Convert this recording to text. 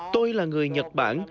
tôi là người nhật bản